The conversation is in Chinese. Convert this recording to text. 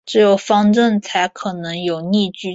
只有方阵才可能有逆矩阵。